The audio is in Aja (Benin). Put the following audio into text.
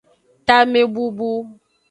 Tamebubu.